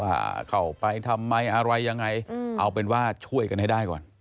ว่าเข้าไปทำไมอะไรยังไงเอาเป็นว่าช่วยกันให้ได้ก่อน